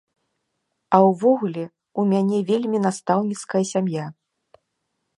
А ўвогуле, у мяне вельмі настаўніцкая сям'я.